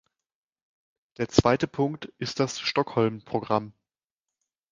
Der zweite Punkt ist das Stockholm-Programm.